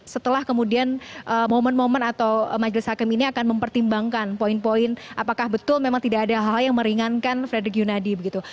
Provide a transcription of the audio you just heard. setelah kemudian momen momen atau majelis hakim ini akan mempertimbangkan poin poin apakah betul memang tidak ada hal hal yang meringankan frederick yunadi begitu